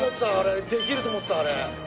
できると思ってたあれ。